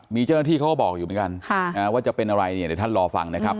มีเจ้าหน้าที่เขาก็บอกอยู่เหมือนกันว่าจะเป็นอะไรเนี่ยเดี๋ยวท่านรอฟังนะครับ